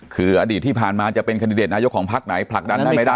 คืออดีตที่ผ่านมาจะเป็นคันดิเดตนายกของพักไหนผลักดันได้ไม่ได้